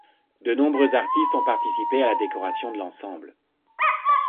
De nombreux artistes ont participé à la décoration de l'ensemble.